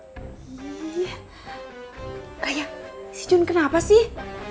ayah si jun kenapa sih